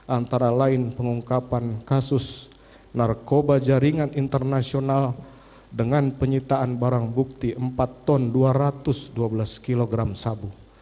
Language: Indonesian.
antara lain pengungkapan kasus narkoba jaringan internasional dengan penyitaan barang bukti empat ton dua ratus dua belas kg sabu